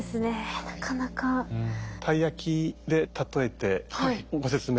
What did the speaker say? たい焼きで例えてご説明。